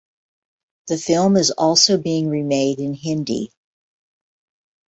The film is also being remade in Hindi.